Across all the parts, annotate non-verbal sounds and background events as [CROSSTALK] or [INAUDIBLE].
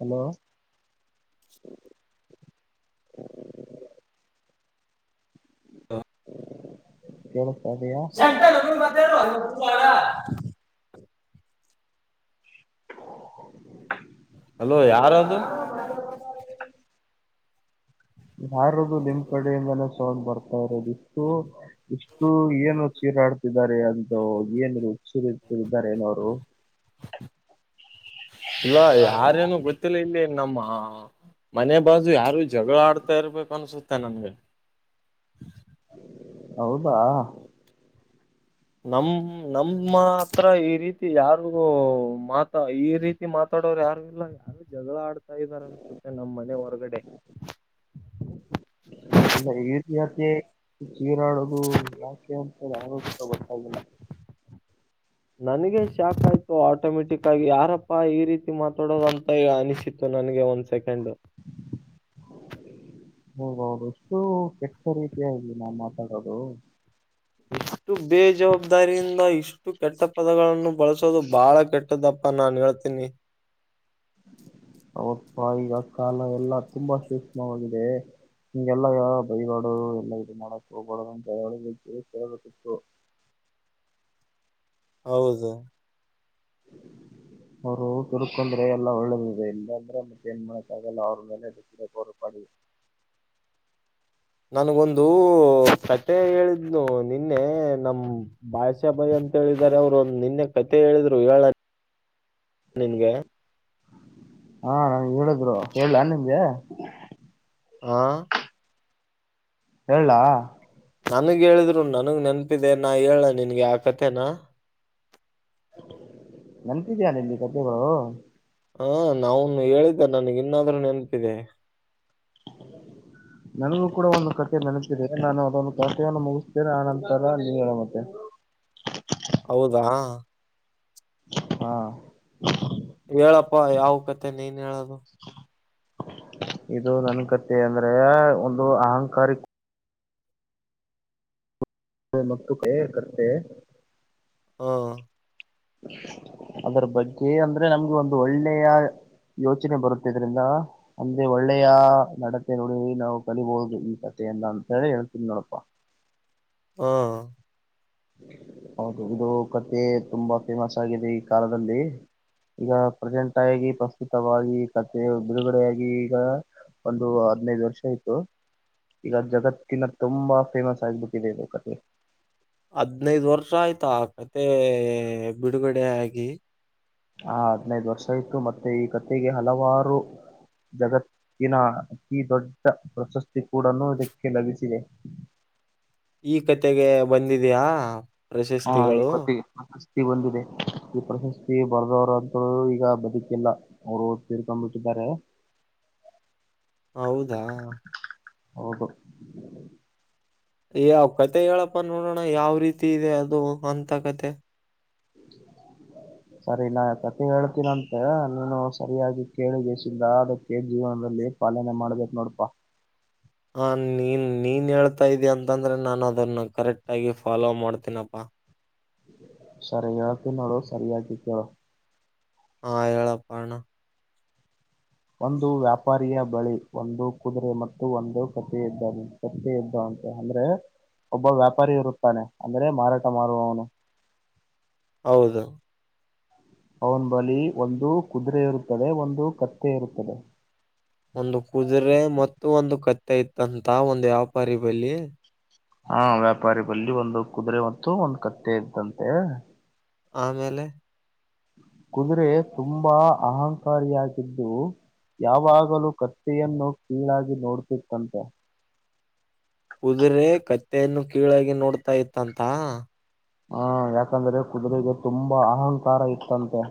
Hello, ಹಾ [INAUDIBLE] ಎಳ ಸ ಸೆಂಟಲ್ ಅಲ್ಲ ಮತ್ತಡ [UNINTELLIGIBLE] ಅಲೋ, ಯಾರದು ಯಾರದ್ದು ನಿಮ್ಮ ಕಡೆಯಿಂದನೇ ಸೋಲ್ ಬರ್ತಾ ಇರೋದು ಇಷ್ಟು ಇಷ್ಟು ಏನು ಚೀರಾಡ್ತಿದ್ದಾರೆ ಅಂತ ಏನ್ ಚಿರುತಿದ್ದಾರೆ ಏನೋರು ಇಲ್ಲ ಯಾರೇನು ಮ ಇಲ್ಲಿ ನಮ್ಮ ಮನೆ ಬಾಜು ಯಾರು ಜಗಳ ಆಡ್ತಾ ಇರ್ಬೇಕು ಅನ್ಸುತ್ತೆ ನನ್ಗೆ ಹೌದಾ ನಮ ನಮ ಮಾತ್ರ ಈ ರೀತಿ ಯಾರಿಗೂ ಮಾತ ಈ ರೀತಿ ರಿತಿ ಮಾತಾಡೋರು ಯಾರು ಇಲ್ಲ ಯಾರು ಜಗಳ ಆಡ್ತಾ ಇದಾರೆ ಅನ್ಸುತ್ತೆ ನಮ್ಮ್ ಮನೆ ಹೊರಗಡೆ [UNINTELLIGIBLE] ಇಲ್ಲ ಈ [UNINTELLIGIBLE] ಜೀರಾಡೋದು ಯಾಕೆ ಅಂತ ಯಾರು ಅಂತಾ ಗೊತ್ತಾಗಿಲ್ಲ [UNINTELLIGIBLE] ನನಗೆ ಶಾಕ್ ಆಯ್ತು ಆಟೋಮೆಟಿಕ್ ಆಗಿ ಯಾರಪ್ಪ ಈ ರೀತಿ ಮಾತಾಡೋದಂತ ಅನಿಸಿ ನನ್ಗೆ ಒಂದ್ ಸೆಕೆಂಡ್ ಹೋಗೌದು ಎಷ್ಟು ಕೆಟ್ಟ ರೀತಿಯಾಗಲಿ ನಾನ್ ಮಾತಾಡೋದು ಇಷ್ಟು ಬೇಜವಾಬ್ದಾರಿಯಿಂದ ಇಷ್ಟು ಕೆಟ್ಟ ಪದಗಳನ್ನು ಬಳಸೋದು ಬಾಳ ಕೆಟ್ಟದಪ್ಪ ನಾನ್ ಹೇಳ್ತೀನಿ ಹೌದಪ್ಪಾ ಈಗ ಕಾಲ ಎಲ್ಲಾ ತುಂಬಾ ಸೂಕ್ಷ್ಮವಾಗಿದೆ ಹಿಂಗೆಲ್ಲ ಬೈಗಾಡು ಎಲ್ಲ ಇದು ಮಾಡಕ್ ಹೋಗಬಾಡದ ಅವನಿಗೆ ತಿಳಿಸಿ ಹೇಳಬೇಕಿತ್ತು ಹೌದು ಅವ್ರು ದುರ್ಕೊಂಡ್ರೆ ಎಲ್ಲ ಒಳ್ಳೇದಿದೆ ಇಲ್ಲ ಅಂದ್ರೆ ಮತ್ತೆ ಏನ್ ಮಾಡಕ್ ಆಗಲ್ಲ ಅವ್ರ ಮೇಲೆ [UNINTELLIGIBLE] ನನಗೊಂದು ಕತೆೆ ಹೇಳಿದ್ಲು ನಿನ್ನೆ ನಮ ಭಾಷೆ ಬೈ ಅಂತ ಹೇಳಿದಿದ್ದಾರೆ ಅವರು ನಿನ್ನೆ ಕತೆ ಹೇಳಿದ್ರು ಹೇಳ ನಿನ್ಗೆ ಹಾ ನಂಗೆ ಹೇಳಿದ್ರು ಹೇಳಲಾ ನಿಮ್ಗೆ ಹಾ ಹೇಳಲಾ ನನ್ಗ್ ಹೇಳಿದ್ರು ನನ್ಗ್ ನೆನಪಿದೆ ನಾನ ಹೇಳ ನಿನ್ಗೆ ಆ ಕಥೆನಾ ನೆನಪಿದೆಯಾ ನಿನ್ ಕಥೆಗಳು ಹಾ ನಾನೊಮ್ಮೆ ಹೇಳಿದ್ದೆ ನನಗ್ ಇನ್ನಾದ್ರೂ ನೆನಪಿದೆ ನನಗೂ ಕೂಡ ಒಂದು ಕತೆೆ ನೆನಪಿತದೆ ನಾನು ಅದೊಂದು ಕಥೆಯನ್ನು ಮುಗಿಸ್ತೇನೆ ಆ ನಂತರ ನೀ ಹೇಳ ಮತ್ತೆ ಹೌದಾ ಹಾ ಹೇಳಪ್ಪ ಯಾವ ಕತೆ ನೀನ್ ಹೇಳದು ಇದು ನನ್ ಕತೆೆ ಅಂದ್ರೆ ಒಂದು ಅಹಂಕಾರಿಕ [UNINTELLIGIBLE] ಹಾ ಅದರ ಬಗ್ಗೆ ಅಂದ್ರೆ ನಮ್ಗೆ ಒಂದು ಒಳ್ಳೆಯ ಯೋಚನೆ ಬರುತ್ತಿದ್ರಿಂದ ಇದರಿಂದ ಅಂದ್ರೆ ಒಳ್ಳೆಯ ನಡತೆ ನೋಡಿ ನಾವು ಕಲಿಬೋದು ಈ ಕಥೆಯಿಂದ ಅಂತ ಹೇಳಿ ಹೇಳ್ತೀನಿ ನೋಡಪ್ಪಾ ಹಾ ಹೌದು ಇದು ಕತ್ತೆ ತುಂಬಾ ಫೇಮಸ್ ಆಗಿದೆ ಈ ಕಾಲದಲ್ಲಿ ಈಗ ಪ್ರೆಸೆಂಟ್ ಆಗಿ ಪ್ರಸ್ತುತವಾಗಿ ಕಥೆಯ ಬಿಡುಗಡೆಯಾಗಿ ಈಗ ಒಂದು ಹದ್ನೈದು ವರ್ಷ ಆಯ್ತು ಈಗ ಜಗತ್ತಿನ ತುಂಬಾ ಫೇಮಸ್ ಆಗ್ಬಿಟ್ಟಿದೆ ಇದು ಕಥೆ. ಹದ್ನೈದ ವರ್ಷ ಆಯ್ತ ಆ ಕಥೆ ಬಿಡುಗಡೆ ಆಗಿ. ಹ ಹದ್ನೈದ ವರ್ಷ ಆಯ್ತು ಮತ್ತೆ ಈ ಕಥಿಗೆ ಹಲವಾರು. ಜಗತ್ತಿನ ಅತಿ ದೊಡ್ಡ ಪ್ರಶಸ್ತಿ ಕೂಡನು ಇದಕ್ಕೆ ಲಭಿಸಿದೆ. ಈ ಕತೆಗೆ ಬಂದದಿಯಾ? ಹಾ ಈ ಕಥಿಗಿ. ಪ್ರಶಸ್ತಿ ಬಂದಿದೆ ಈ ಪ್ರಶಸ್ತಿ ಬರ್ದವರು ಅಂತು ಈಗ ಬದುಕಿಲ್ಲ. ಅವ್ರು ತೀರ್ಕೊಂಡು ಬಿಟ್ಟಿದ್ದಾರೆ. ಹೌದಾ? ಹೌದು. ಏ ಅವ್ ಕತೆ ಹೇಳಪ್ಪ ನೋಡಣ ಯಾವ ರೀತಿ ಇದೆ ಅದು ಅಂತ ಕತೆ. [INAUDIBLE] ಸರಿ ನಾ ಕತಿ ಹೇಳ್ತೀರಂತ ನೀನು ಸರಿಯಾಗಿ ಕೇಳಿಗೆಸಿಂದ ಅದಕ್ಕೆ ಜೀವನದಲ್ಲಿ ಪಾಲನೆ ಮಾಡ್ಬೇಕ್ ನೋಡಪಾ. ಹ ನೀನ್ ನೀನ್ ಹೇಳ್ತಾ ಇದಿಯ ಅಂತಂದ್ರೆ ನಾನು ಅದನ್ನ ಕರೆಕ್ಟ್ ಆಗಿ ಫಾಲೋ ಮಾಡ್ತೀನಪ್ಪಾ. ಸರಿ ಹೇಳ್ತೀನ ನೋಡು ಸರಿಯಾಗಿ ಕೇಳು. ಹ ಹೆಳಪ್ಪ ಅಣ್ಣಾ. ಒಂದು ವ್ಯಾಪಾರಿಯ ಬಳಿ ಒಂದು ಕುದುರೆ ಮತ್ತು ಒಂದು ಕಥೆ ಇದ್ದಾರೆ. ಕತ್ತಿ ಇದ್ದವ ಅಂತೆ ಅಂದ್ರೆ ಒಬ್ಬ ವ್ಯಾಪಾರಿ ಇರುತ್ತಾನೆ ಅಂದ್ರೆ ಮಾರಾಟ ಮಾರುವವನು. ಹೌದು ಅವ್ನ ಬಳಿ ಒಂದು ಕುದುರೆ ಇರುತ್ತದೆ ಒಂದು ಕತ್ತೆ ಇರುತ್ತದೆ. ಒಂದು ಕುದುರೆ ಮತ್ತು ಒಂದು ಕತ್ತೆ ಇತ್ತಂತ ಒಂದು ವ್ಯಾಪಾರಿ ಬಲ್ಲಿ. ಹಾ ವ್ಯಾಪಾರಿ ಬಲ್ಲಿ ಒಂದು ಕುದುರೆ ಮತ್ತು ಒಂದು ಕತ್ತೆ ಇದ್ದಂತೆ. ಆಮೇಲೆ. ಕುದುರೆ ತುಂಬಾ ಅಹಂಕಾರಿಯಾಗಿದ್ದು, ಯಾವಾಗಲೂ ಕತ್ತೆಯನ್ನು ಕೀಳಾಗಿ ನೋಡ್ತಿತ್ತಂತೆ. ಕುದುರೆ ಕತ್ತೆಯನ್ನು ಕೀಳಾಗಿ ನೋಡ್ತಾ ಇತ್ತಂತ. ಹಾ ಯಾಕಂದ್ರೆ ಕುದುರೆಗೆ ತುಂಬಾ ಅಹಂಕಾರ ಇತ್ತಂತೆ.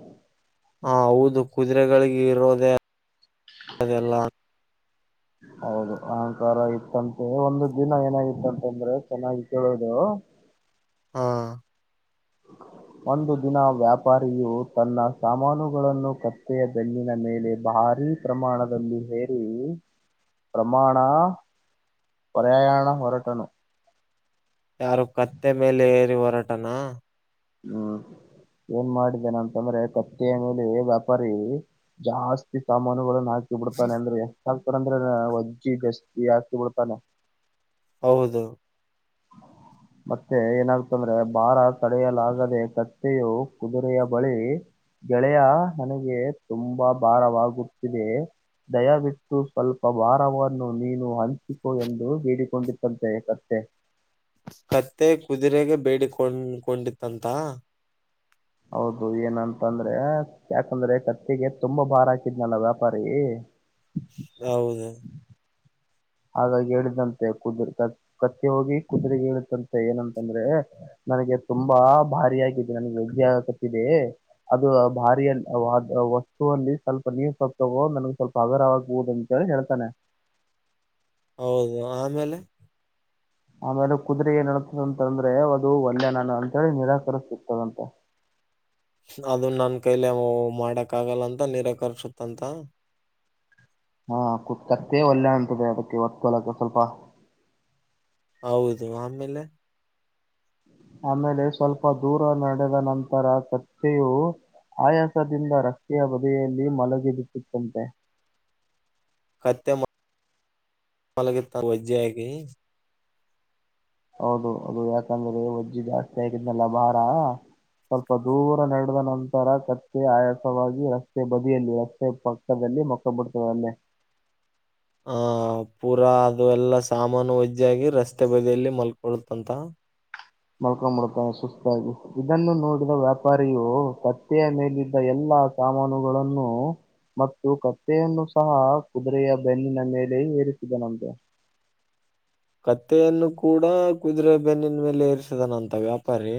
ಹ ಹೌದು ಕುದುರೆಗಳಿಗ ಇರೋದೆ. [UNINTELLIGIBLE] [INAUDIBLE] ಹೌದು ಅಹಂಕಾರ ಇತ್ತಂತೆ ಒಂದು ದಿನ ಏನಾಗಿತ್ತಂತಂದ್ರೆ ಚೆನ್ನಾಗಿ ಕೇಳೋದು. ಹಾ. [INAUDIBLE] ಒಂದು ದಿನ ವ್ಯಾಪಾರಿಯು ತನ್ನ ಸಾಮಾನುಗಳನ್ನು ಕತ್ತೆಯ ಬೆನ್ನಿನ ಮೇಲೆ ಭಾರೀ. ಪ್ರಮಾಣದಲ್ಲಿ ಹೇರಿ ಪ್ರಮಾಣ. ಪ್ರಯಾಣ ಹೊರಟನು. ಯಾರು ಕತ್ತೆ ಮೇಲೆ ಏರಿ ಹೊರಾಟನಾ? ಹ್ಮ್ ಏನ್ ಮಾಡಿದ್ದೇನ ಅಂತಂದ್ರೆ ಕತ್ತೆಯ ಮೇಲೆ ವ್ಯಾಪಾರಿ. ಜಾಸ್ತಿ ಸಾಮಾನುಗಳನ್ನು ಹಾಕಿ. ಹಾಕಿ ಬಿಡ್ತಾನೆ ಅಂದ್ರೆ ಹಕ್ತಾರ ಅಂದ್ರ ಒಜ್ಜಿ ಗಸ್ತಿ ಹಾಕಿ ಬಿಡ್ತಾನೆ. ಹೌದು. ಮತ್ತೆ ಏನಾಗ್ತಂದ್ರೆ ಭಾರ ತಡೆಯಲಾಗದೆ ಕತ್ತೆಯು ಕುದುರೆಯ ಬಳೀ. ಗೆಳೆಯ ನನಗೆ ತುಂಬಾ ಭಾರವಾಗುತ್ತಿದೆ. ದಯವಿಟ್ಟು ಸ್ವಲ್ಪ ಭಾರವನ್ನು ನೀನು ಹಂಚಿಕೊ ಎಂದು ಬೇಡಿಕೊಂಡಿತ್ತಂತೆ ಕತ್ತೆ. ಕತ್ತೆ ಕುದುರೆಗೆ ಬೇಡಿಕೊಂಡಕೊಂಡಿತ್ತಂತ.. ಹೌದು ಏನಂತ ಅಂದ್ರೆ ಯಾಕಂದ್ರೆ ಕತ್ತಿಗೆ ತುಂಬಾ ಭಾರ ಹಾಕಿದ್ನಲ್ಲ ವ್ಯಾಪಾರಿ. ಹೌದು. ಹಾಗಾಗಿ ಹೇಳಿದಂತೆ ಕುದುರ್ ಕ ಕತ್ತಿ ಹೋಗಿ ಕುದುರೆ ಹೇಳಿದಂತೆ ಏನಂತಂದ್ರೆ?. ನನಗೆ ತುಂಬಾ ಭಾರಿಯಗಿದ್ದು ನನಗೆ ವಜ್ಯ ತಪ್ಪಿದೆ. ಅದು ಭಾರಿಯ ವಸ್ತುವಲ್ಲಿ ಸ್ವಲ್ಪ ನೀವು ಸ್ವಲ್ಪ ತಗೋ ನನಗೆ ಸ್ವಲ್ಪ. ಹಗುರ ಆಗಬಹುದು ಅಂಥ ಹೇಳ್ತಾನೆ. ಹೌದು ಆಮೇಲೆ. ಆಮೇಲೆ ಕುದು್ರ ಏ ನಡತದಂತಂದ್ರೆ ಅದು ಒಳ್ಳೆ ನನ ಅಂತ ಹೇಳಿ ನಿರಾಕರಿಸ ಸಿಗ್ತದಂತೆ. ಅದನ್ನ ನನ್ ಕೈಲೆ ಮಾಡಕ್ ಆಗಲ್ಲ ಅಂತ ನಿರಾಕರ್ಸತ್ಂತ. ಹಾ ಕುೂತ್ ಕತ ಒಳ್ಳೆ ಅಂತದೆ ಅದಕ್ಕೆ ಒರ್ಕಲಕ ಸ್ವಲ್ಪ. ಹೌದು ಆಮೇಲೆ. ಆಮೇಲೆ ಸ್ವಲ್ಪ ದೂರ ನಡೆದ ನಂತರ ಕತ್ತೆಯು. ಆಯಾಸದಿಂದ ರಸ್ತೆಯ ಬದಿಯೆಯಲ್ಲಿ ಮಲಗೆಿಡಿಸುತ್ತಂತೆ. ಕತ್ತೆ ಮಲಗುತ್ತಾ ವಜ್ಜೆ ಆಾಗಿಿ. ಹೌದು ಅೌದು ಯಾಕಂದ್ರೆ ಒಜ್ಜಿ ಜಾಸ್ತಿ ಆಗಿದ್ನಲ್ಲ ಭಾರ. ಸ್ವಲ್ಪ ದೂರ ನಡೆದ ನಂತರ ಕತ್ತೆ ಆಯಾಸವಾಗಿ ರಸ್ತೆ ಬದಿಯಲ್ಲಿ ರಸ್ತೆ ಪ. ದಲ್ಲಿ ಮೊಕ್ಕಮ್ ಬಿಡ್ತೀವಿ ಅಲ್ಲೇ. ಆಹ ಪೂರಾ ಅದು ಎಲ್ಲ ಸಾಮಾನು ವಜ್ಜಾಗಿ ರಸ್ತೆ ಬದಿಯಲ್ಲಿ ಮಲ್ಕೊಳುತ್ತಂತ. ಮಲ್ಕೊಂಬುಡತವೆ ಸುಸ್ತಾಗಿ, ಇದನ್ನು ನೋಡಿದ ವ್ಯಾಪಾರಿಯು ಕತ್ತೆಯ ಮೇಲಿದ್ದ ಎಲ್ಲಾ. ಸಾಮಾನುಗಳನ್ನು. ಮತ್ತು ಕತ್ತೆಯನ್ನು ಸಹ ಕುದುರೆಯ ಬೆನ್ನಿನ ಮೇಲೆ ಏರಿಸಿದನಂತೆ. ಕತ್ತೆಯನ್ನು ಕೂಡ ಕುದುರೆ ಬೆನ್ನಿನ ಮೇಲೆ ಏಸಿದನಂತ ವ್ಯಾಪಾರಿ.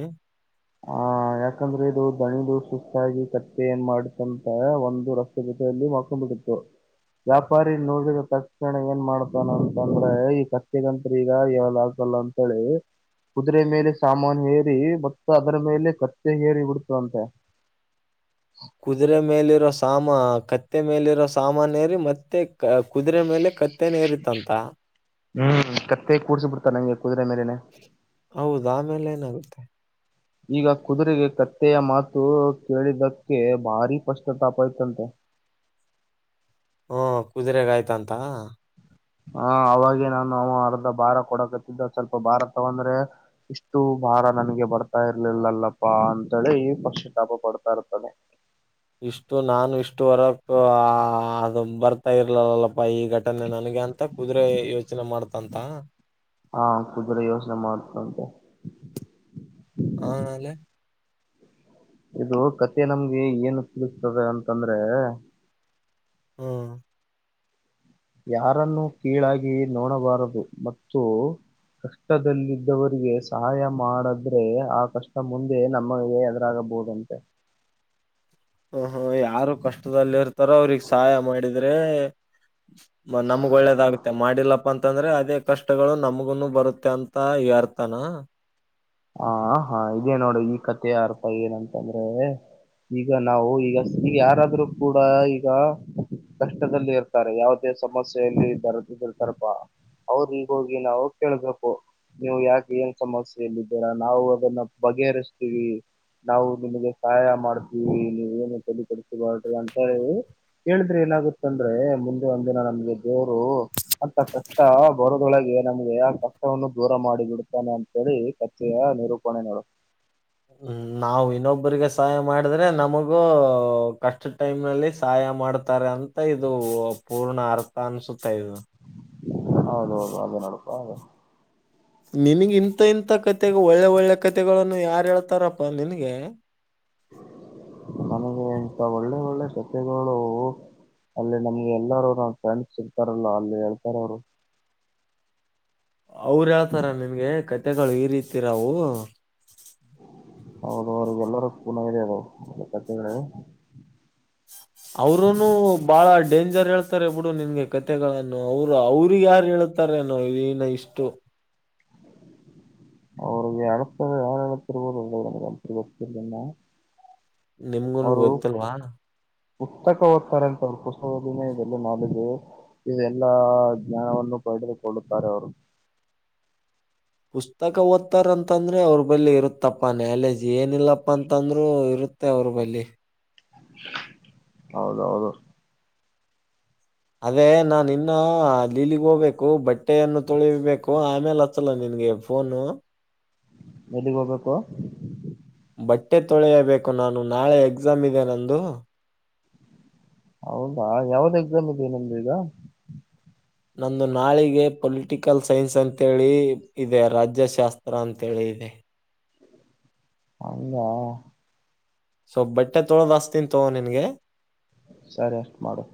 ಹಾ. - ಯಾಕಂದ್ರೆ ಇದು ದಣಿದು ಸುಸ್ತಾಗಿ ಕತ್ತೆ ಏನ್ ಮಾಡಿತ್ತಂತ ಒಂದು ರಸ್ತೆ ಜೊತೆಯಲ್ಲಿ ಮಕ್. [INAUDIBLE] ವ್ಯಾಪಾರಿ ನೋಡಿದ ತಕ್ಷಣ ಏನ್ ಮಾಡ್ತಾನ ಅಂತಂದ್ರೆ ಈ ಕತ್ತಿಗಂತ್ರು ಈಗ ಏಳೋದಗಕಿಲ್ಲ. ಳ ಕುದುರೆ ಮೇಲೆ ಸಾಮಾನು ಏರಿ. ಅದರ ಮೇಲೆ ಕತ್ತೆ ಹೇರಿ ಬಿಡ್ತು ಅಂತೆ. ಕುದುರೆ ಮೇಲಿರೋ ಸಾಮಾ ಕತ್ತೆ ಮೇಲಿರೋ ಸಾಮಾನ ಏರಿ ಮತ್ತೆ ಕುದುರೆ ಮೇಲೆ. ಕತ್ತೆನ ಏರಿತಂತ. ಹ್ಮ್ ಕತ್ತೆ ಕೂಡ್ಸ ಬಿಡ್ತಾ ನಂಗೆ ಕುದುರೆ ಮೇಲನೆ. ಹೌದ ಆಮೇಲೆ ಏನಾಗುತ್ತೆ. ಈಗ ಕುದುರೆಗೆ ಕತ್ತೆಯ ಮಾತು ಕೇಳಿದಕ್ಕೆ ಭಾರಿ ಕಷ್ಟತಾಪ ಇಯತಂತೆ. ಹ್ಮ ಕುದುರೆಗ ಆಯ್ತಂತ. ಹ ಅವಾಗೆ ನಾನು ಅವ ಅರ್ಧ ಭಾರ ಕೊಡಕತ್ತಿದ್ದ ಸ್ವಲ್ಪ ಭಾರ ತಗೊಂಡ್ರೆ. ಇಷ್ಟು ಭಾರ ನನಗೆ ಬರ್ತಾ ಇರ್ಲಿಲ್ಲಲ್ಲಪ್ಪಾ ಅಂತೇಳಿ ಪಶಿತಾಪ ಪಡ್ತಾ ಇರ್ತಾನೆ. ಇಷ್ಟು ನಾನು ಇಷ್ಟು ವರಕ್ಕ ಆ ಅದು ಬರ್ತಾ ಇರ್ಲಲ್ಲಲ್ಲಪ್ಪಾ ಈ ಘಟನೆ ನನಗೆ. ಮತ್ತ ಕುದುರೆ ಯೋಚನೆ ಮಾಡ್ತಂತ. ಹಾ ಕುದುರೆೆ ಯೋಚನೆ ಮಾಡ್ತ ಅಂತೆ. ಹನಲ್. ಇದು ಕತೆ ನಮ್ಗೆ ಏನು ತಿಳಿಸ್ತದೆ ಅಂತಂದ್ರೆ. ಹ್ಮ್- ಯಾರನ್ನು ಕೀಳಾಗಿ ನೋಡಬಾರದು ಮತ್ತು. ಕಷ್ಟದಲ್ಲಿದ್ದವರಿಗೆ ಸಹಾಯ ಮಾಡಿದ್ರೆ ಆ ಕಷ್ಟ ಮುಂದೆ ನಮಗೆ. ತಾಗಬೋುದ. ಹು ಹು ಯಾರು ಕಷ್ಟದಲ್ಲಿ ಇರ್ತಾರೋ ಅವ್ರಿಗೆ ಸಹಾಯ ಮಾಡಿದ್ರೆ. ಮ ನಮ್ಮಗ ಒಳ್ಳೇದಾಗುತ್ತೆ ಮಾಡಿಲ್ಲ. ಪ್ಪ ಅಂತಂದ್ರೆ ಅದೇ ಕಷ್ಟಗಳು ನಮಗುನು ಬರುತ್ತೆ ಅಂತ ಅರ್ತಾನಾ. ಹಾ ಹಾ ಹಂಗೆ ನೋಡು ಈ ಕತೆ ಯಾರಪ ಏನಂತ ಅಂದ್ರೆ. ಈಗ ನಾವು ಈಗ ಯಾರಾದ್ರರು ಕೂಡ ಈಗಾ. ಕಷ್ಟದಲ್ಲಿ ಇರ್ತಾರೆ ಯಾವುದೇ ಸಮಸ್ಯೆಯಲ್ಲಿ ದರೆದಿರ್ತಾರಪ್ಪಾ. ಅವರಿಗೆ ಹೋಗಿ ನಾವು ಕೇಳ್ಬೇಕು ನೀವು ಯಾಕೆ ಏನ್ ಸಮಸ್ಯಲ್ಲಿ. ದ್ದೀರಾ ನಾವು ಅದನ್ನ ಬಗೆಹರಿಸ್ತೀವಿ. ನಾವು ನಿಮಗೆ ಸಹಾಯ ಮಾಡ್ತೀವಿ ನೀವು ಏನು ತಲಿಕೆಡಸ್ಕೊಬಾಡ್ರಿ ಅಂತಾ ಹೇಳಿ. ಹೇಳಿದ್ರೆ ಏನಾಗುತ್ತ ಅಂದ್ರೆ ಮುಂದೆ ಒಂದಿನ ಅಲ್ಲಿದ್ದೋರೋ. ಅಂತಾ ಕಷ್ಟ ಬರೋದೊಳಗೆ ನಮಗೆ ಆ ಕಷ್ಟವನ್ನು ದೂರ ಮಾಡಿ ಬಿಡ್ತಾನೆ ಅಂತೇಳಿ. ಕತಿಯ ನಿರೂಪಣೆ ನೋಡು. ಹ್ಮ್, ನಾವು ಇನ್ನೊಬ್ಬರಿಗೆ ಸಹಾಯ ಮಾಡಿದ್ರೆ ನಮಗೂ ಕಷ್ಟ ಟೈಮ್ ನಲ್ಲಿ ಸಹಾಯ ಮಾಡತಾರೆ ಅಂತ. ತ ಇದು ಪೂರ್ಣ ಅರ್ಥ ಅನ್ಸುತ್ತಾ ಇದು. ಹೌದು ಹೌದು ಅದೇ ನಡಪಾ ಅದು. ನಿನಗ ಇಂತ ಇಂತ ಕತೆ ಒಳ್ಳೆ ಒಳ್ಳೆ ಕತೆಗಳನ್ನು ಯಾರ ಹೇಳ್ತಾರಪ್ಪಾ ನಿನಗೆ. ಚ್ಚ್ ನನಗೆ ಇಂತಾ ಒಳ್ಳೆ ಒಳ್ಳೆ ಕತೆಗಳು. ಅಲ್ಲಿ ನಮಗ ಎಲ್ಲಾರೂ ನನ ಫ್ರೆಂಡ್ಸ್ ಸಿಗ್ತಾರಲ್ಲ ಅಲ್ಲಿ ಹೇಳ್ತಾರ ಅವರು. ಅವರ ಹೇಳ್ತಾರ ನಿಮಗೆ ಕತೆಗಳು ಈ ರೀತಿ ಇರವು. ಹೌದು ಹೌದು ಎಲ್ಲರು ಕುಡದಾಗ ಆಲ್ವಾ ಕತೆಗಳು ಅವರುನು ಬಹಳ ಡೇಂಜರ್ ಹೇಳ್ತಾರೆ ಬಿಡು ನಿನಗೆ ಕತೆಗಳನ್ನು ಅವರು ಅವರಿಗೆ ಯಾರು ಹೇಳ ಇರ್ತಾರೇನು ಈನ ಇಷ್ಟು. ಅವರಿಗೆ ಅತರ ಯಾರಳತರ್ಬೋದು ಕತ ನಿಮಗುನು ಗೊತ್ತಿಲ್ವಾ. ಪುಸ್ತಕ ಓದತ್ತಾರಂತಲ್ಲ ಅವರು ಉಸ್ತದಿನ ಇದೆಲ್ಲ ನಾದ್ದ. ಇದೆಲ್ಲಾ ಜ್ಞಾನವನ್ನು ಪಡೆದುಕೊಳ್ಳುತ್ತಾರೆ ಅವರು. ಪುಸ್ತಕ ಓದ್ತಾರಂತಂದ್ರೆ ಅವ್ರ ಬಳಿ ಇರುತ್ತಪ್ಪ ನಾಲೇಜ್ ಏನಿಲ್ಲಪ್ಪಾ ಅಂತಂದ್ರರು ಇರು ತ್ತೆ ಅವರು ಬಲ್ಲಿ. ಹೌದು ಹೌದು. ಅದೇ ನಾ ಇನ್ನ ಲೀಲಿಗ್ ಹೋಗ್ಬೇಕು ಬಟ್ಟೆಯನ್ನು ತೊಳಿಬೇಕು ಆಮೇಲೆ ಹಚ್ಚಲ್ಲ ನಿನ್ಗೆ. ಫೋನು ಎಲ್ಲಿಗ ಹೋಗಬೇಕು. ಬಟ್ಟೆ ತೊಳೆಯಬೇಕು ನಾನು ನಾಳೆ ಎಕ್ಸಾಮ್ ಇದೆ ನಂದು. ಹೌದಾ ಯಾವ್ದ ಎಕ್ಸಾಮ್ ಇದೆ ನಿಮ್ದ ಈಗಾ. ನಂದು ನಾಳಿಗೆ ಪೊಲಿಟಿಕಲ್ ಸೈನ್ಸ್ ಅಂತೇಳಿ ಇದೆ. ರಾಜ್ಯಶಾಸ್ತ್ರ ಅಂತೇಳಿ ಇದೆ. ಹಂಗಾ. ಸೊಲ್ಪ್ ಬಟ್ಟೆ ತೊಳೋದ ಹಚ್ಚಿತೋ ನಿನ್ಗೆ. ಸರಿ ಅಷ್ಟು ಮಾಡು.